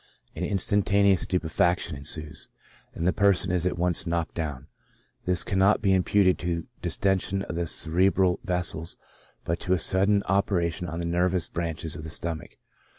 An instantaneous stupefaction ensues, and the person is at once knocked down. This cannot be imputed to distention of the cere bral vessels, but to a sudden operation on the nervous branches of the stomach."